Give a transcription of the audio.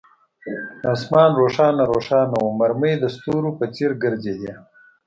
آسمان روښانه روښانه وو، مرمۍ د ستورو په څیر ګرځېدې.